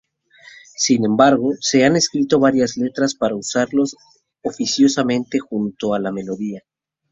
Sin embargo, se han escrito varias letras para usarlas oficiosamente junto a la melodía.